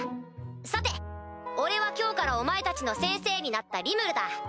さて俺は今日からお前たちの先生になったリムルだ。